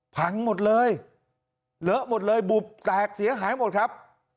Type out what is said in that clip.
พังหมดเลยเลอะหมดเลยบุบแตกเสียหายหมดครับ